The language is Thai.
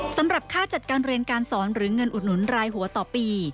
สำหรับค่าจัดการเรียนการสอนหรือเงินอุดหนุนรายหัวต่อปี